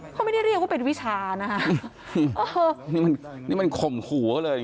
เขาไม่ได้เรียกว่าเป็นวิชานะคะ